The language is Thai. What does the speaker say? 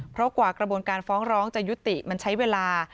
เพราะกว่ากระบวนการฟ้องร้องจะยุติมันใช้เวลา